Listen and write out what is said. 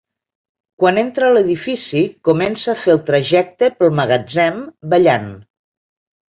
Quan entra a l'edifici comença a fer el trajecte pel magatzem ballant.